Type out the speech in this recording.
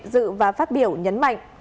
dự và phát biểu nhấn mạnh